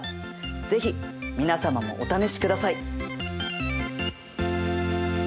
是非皆様もお試しください。